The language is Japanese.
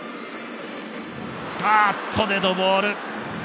デッドボール。